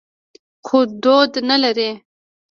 خو دود نه لري.